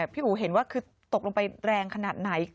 พี่อู๋เห็นว่าคือตกลงไปแรงขนาดไหน